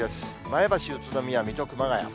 前橋、宇都宮、水戸、熊谷。